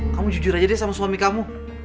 kamu jujur aja dia sama suami kamu